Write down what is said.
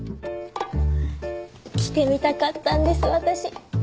来てみたかったんです私。